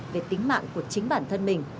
về tính mạng của chính bản thân mình